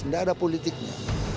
nggak ada politiknya